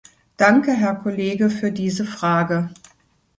Danke, Herr Kollege, für diese Frage.